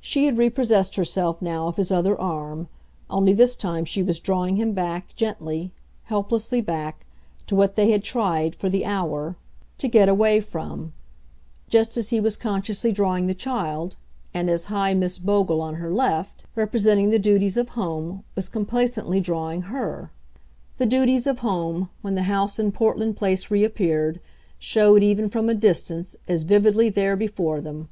She had repossessed herself now of his other arm, only this time she was drawing him back, gently, helplessly back, to what they had tried, for the hour, to get away from just as he was consciously drawing the child, and as high Miss Bogle on her left, representing the duties of home, was complacently drawing HER. The duties of home, when the house in Portland Place reappeared, showed, even from a distance, as vividly there before them.